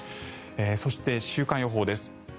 そして、週間予報です。